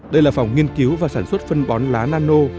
đây là phòng nghiên cứu và sản xuất phân bón lá nano